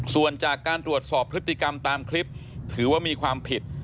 ส่วนจากการตรวจสอบพฤติกรรมตามคลิปถือว่ามีความผิด